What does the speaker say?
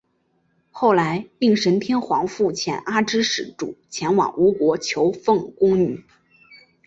后来应神天皇复遣阿知使主前往吴国求缝工女。